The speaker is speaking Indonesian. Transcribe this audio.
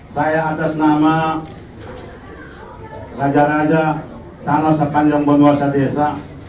saya atas nama raja raja tanah sepanjang penguasa desa